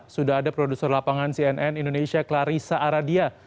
sudah ada produser lapangan cnn indonesia clarissa aradia